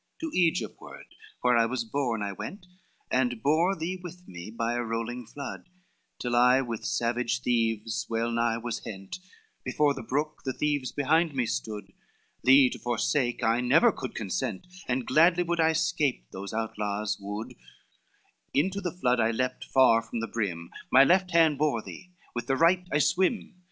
XXXIV "To Egypt ward, where I was born, I went, And bore thee with me, by a rolling flood, Till I with savage thieves well nigh was hent; Before the brook, the thieves behind me stood: Thee to forsake I never could consent, And gladly would I 'scape those outlaws wood, Into the flood I leaped far from the brim, My left hand bore thee, with the right I swim.